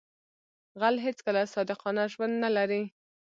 غل هیڅکله صادقانه ژوند نه لري